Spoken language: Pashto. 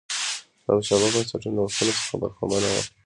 له مشابه بنسټي نوښتونو څخه برخمنه وه.